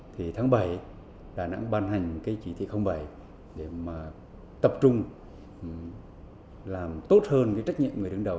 thì tháng bảy đà nẵng ban hành trị thị bảy để tập trung làm tốt hơn trách nhiệm người đứng đầu